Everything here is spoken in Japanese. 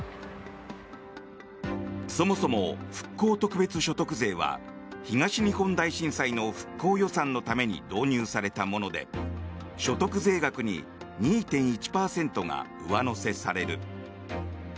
そもそも復興特別所得税は東日本大震災の復興予算のために導入されたもので、所得税額に２．１％が上乗せされる。